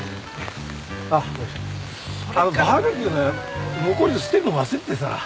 あっあのバーベキューの残り捨てるの忘れててさ。